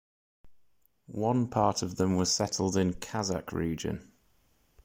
One part of them was settled in Kazakh region.